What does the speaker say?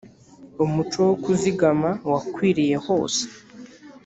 umuco wo kuzigama wakwiriye hose